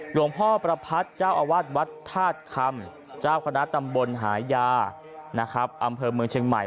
หลวงพ่อประพัทธ์เจ้าอาวาสวัดธาตุคำเจ้าคณะตำบลหายานะครับอำเภอเมืองเชียงใหม่